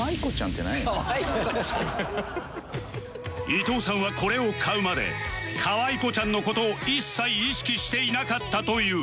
伊藤さんはこれを買うまでかわいこちゃんの事を一切意識していなかったという